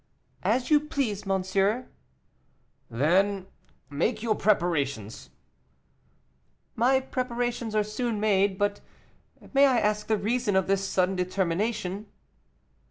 "As you please, monsieur." "Then make your preparations." "My preparations are soon made, but may I ask the reason of this sudden determination?"